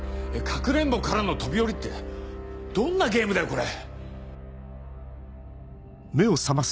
かくれんぼからの飛び降りってどんなゲームだよこれ。